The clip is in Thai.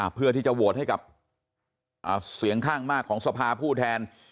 เพื่อที่จะโหวตให้กับเสียงข้างมากของสภาผู้แทน